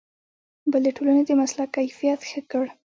بلې ټولنې د مسلک کیفیت ښه کړ.